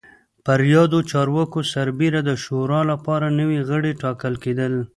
پر یادو چارواکو سربېره د شورا لپاره نوي غړي ټاکل کېدل